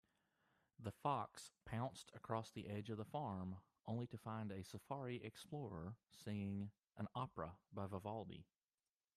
The fox pounced across the edge of the farm, only to find a safari explorer singing an opera by Vivaldi.